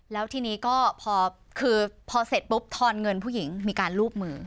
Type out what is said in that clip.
แล้วทีนี้ก็พอคือพอเสร็จปุ๊บทอนเงินผู้หญิงมีการลูบมือ